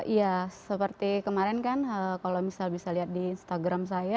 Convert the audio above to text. iya seperti kemarin kan kalau misal bisa lihat di instagram saya